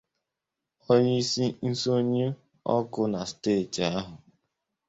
onyeisi nsọnyụ ọkụ na steeti ahụ